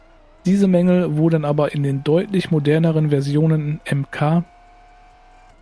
Diese Mängel wurden aber in den deutlich moderneren Versionen Mk.